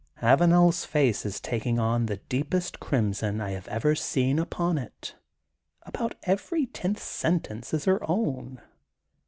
'' Avanel 's face is taking on the deepest crim son I have ever seen upon it. About every tenth sentence is her own.